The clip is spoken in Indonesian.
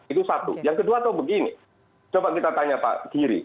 itu satu yang kedua coba kita tanya pak giri